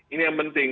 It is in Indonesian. ini yang penting